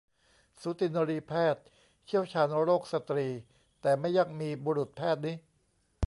สูตินรีแพทย์ เชี่ยวชาญโรคสตรี แต่ไม่ยักมี บุรุษแพทย์นิ